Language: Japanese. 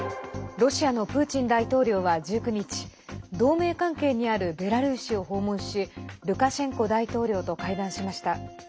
ロシアのプーチン大統領は１９日同盟関係にあるベラルーシを訪問しルカシェンコ大統領と会談しました。